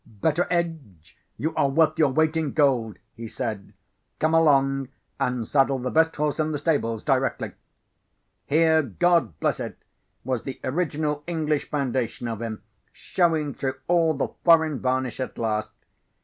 "Betteredge, you are worth your weight in gold," he said. "Come along, and saddle the best horse in the stables directly." Here (God bless it!) was the original English foundation of him showing through all the foreign varnish at last!